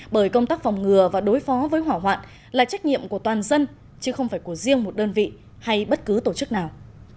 bởi công tác phòng ngừa và đối phó với hỏa hoạn là trách nhiệm của toàn dân chứ không phải của riêng một đơn vị hay bất cứ tổ chức nào